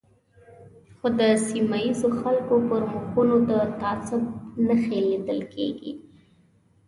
خو د سیمه ییزو خلکو پر مخونو د تعصب نښې لیدل کېږي.